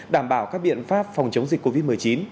đảm bảo các biện pháp phòng chống dịch covid một mươi chín